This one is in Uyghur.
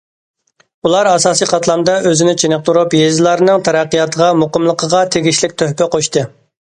ئۇلار ئاساسىي قاتلامدا ئۆزىنى چېنىقتۇرۇپ، يېزىلارنىڭ تەرەققىياتىغا، مۇقىملىقىغا تېگىشلىك تۆھپە قوشتى.